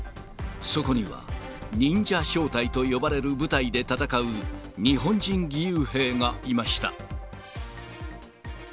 そこには、忍者小隊と呼ばれる部隊で戦う日本人義勇兵がいました。